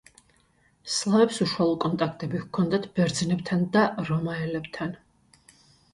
სლავებს უშუალო კონტაქტები ჰქონდათ ბერძნებთან და რომაელებთან.